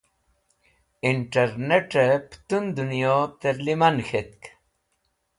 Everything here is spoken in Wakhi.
Internete Putun Dunyo terliman K̃hetk